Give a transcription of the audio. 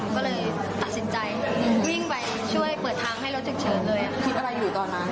ก็เลยตัดสินใจวิ่งไปช่วยเปิดทางให้รถจึกเฉิน